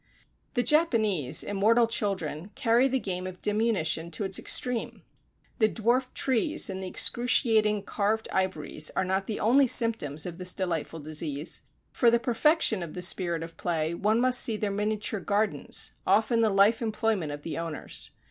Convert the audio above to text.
The Japanese, immortal children, carry the game of diminution to its extreme. The dwarfed trees and the excruciating carved ivories are not the only symptoms of this delightful disease; for the perfection of the spirit of play one must see their miniature gardens, often the life employment of the owners.